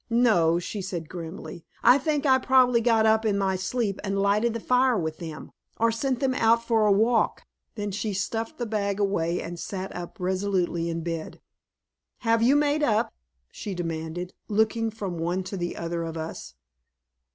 "No," she said grimly; "I think I probably got up in my sleep and lighted the fire with them, or sent em out for a walk." Then she stuffed the bag away and sat up resolutely in bed. "Have you made up?" she demanded, looking from one to the other of us.